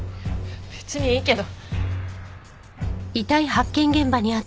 別にいいけど。